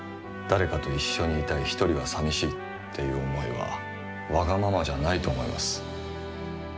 誰かと一緒にいたいひとりはさみしいっていう思いはわがままじゃないと思います。